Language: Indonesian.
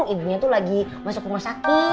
ibunya tuh lagi masuk rumah sakit